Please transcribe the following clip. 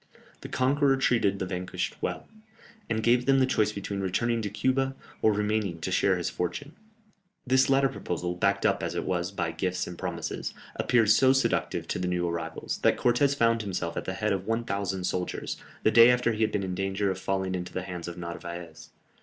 The conqueror treated the vanquished well, and gave them the choice between returning to Cuba, or remaining to share his fortune. This latter proposal, backed up as it was by gifts and promises, appeared so seductive to the new arrivals, that Cortès found himself at the head of 1000 soldiers, the day after he had been in danger of falling into the hands of Narvaez.